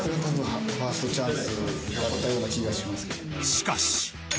しかし。